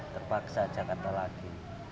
terpaksa jakarta lagi